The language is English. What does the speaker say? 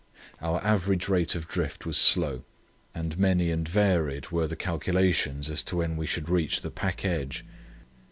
Our average rate of drift was slow, and many and varied were the calculations as to when we should reach the pack edge.